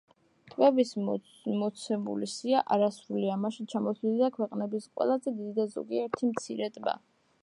ტბების მოცემული სია არასრულია, მასში ჩამოთვლილია ქვეყნის ყველაზე დიდი და ზოგიერთი მცირე ტბა.